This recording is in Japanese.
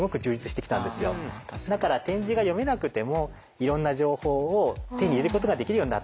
だから点字が読めなくてもいろんな情報を手に入れることができるようになった。